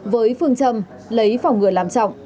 với phương châm lấy phòng ngừa làm trọng